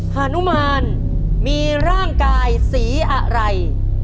ฮานุมานมีร่างกายสีอะไร